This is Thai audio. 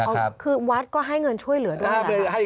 คือวัดก็ให้เงินช่วยเหลือด้วยล่ะครับ